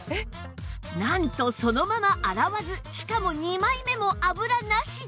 なんとそのまま洗わずしかも２枚目も油なしで